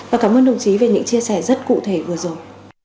và cảm ơn đồng chí về những chia sẻ rất cụ thể vừa rồi